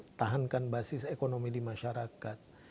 mempertahankan basis ekonomi di masyarakat